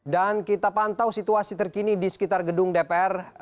dan kita pantau situasi terkini di sekitar gedung dpr